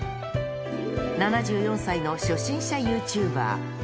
７４歳の初心者ユーチューバー。